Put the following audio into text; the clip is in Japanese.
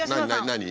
何？